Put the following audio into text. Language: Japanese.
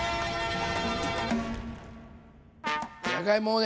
じゃがいもをね